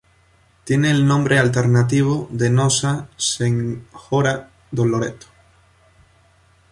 Tiene el nombre alternativo de Nossa Senhora do Loreto.